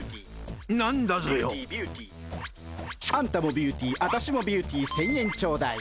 なんだぞよ。あんたもビューティー私もビューティー１，０００円ちょうだい。